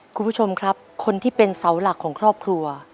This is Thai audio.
คุณผู้ชมครับคนที่เป็นเสาหลักของครอบครัว